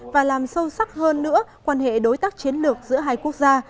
và làm sâu sắc hơn nữa quan hệ đối tác chiến lược giữa hai quốc gia